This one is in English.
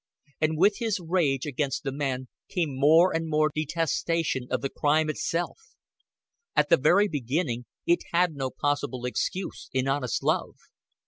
And with his rage against the man came more and more detestation of the crime itself. At the very beginning it had no possible excuse in honest love.